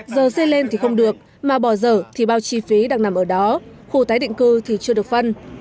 giờ xây lên thì không được mà bỏ dở thì bao chi phí đang nằm ở đó khu tái định cư thì chưa được phân